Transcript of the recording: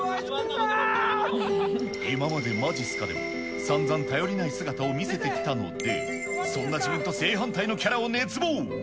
今までまじっすかでは、さんざん頼りない姿を見せてきたので、そんな自分と正反対のキャラを熱望！